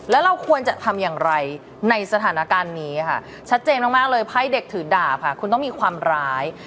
แล้วเราควรจะทำอย่างไรในสถานการณ์นี้ค่ะชัดเจนมากเลยไพ่เด็กถือดาบค่ะคุณต้องมีความร้าย